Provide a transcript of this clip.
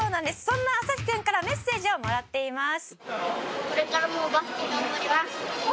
「そんな旭くんからメッセージをもらっています」